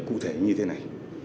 cụ thể như thế này